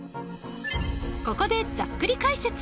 ここでざっくり解説！